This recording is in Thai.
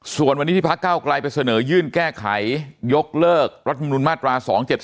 ส่วนวันนี้ที่พักเก้าไกลไปเสนอยื่นแก้ไขยกเลิกรัฐมนุนมาตรา๒๗๒